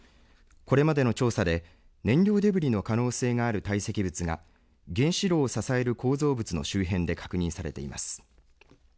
これまでの調査で燃料デブリの可能性がある堆積物が原子炉を支える構造物の周辺で確認されています。